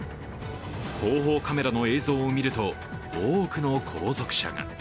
後方カメラの映像を見ると、多くの後続車が。